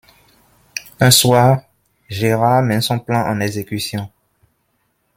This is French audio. Un soir, Gérard met son plan à exécution.